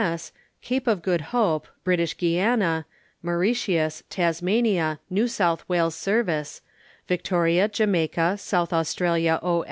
M.S., Cape of Good Hope, British Guiana, Mauritius, Tasmania, New South Wales Service, Victoria, Jamaica, South Australia O.